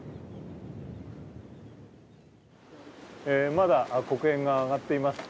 まだ黒煙が上がっています。